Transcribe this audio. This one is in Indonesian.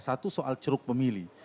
satu soal ceruk pemilih